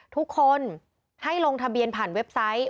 ทุกคนให้ลงทะเบียนผ่านเว็บไซต์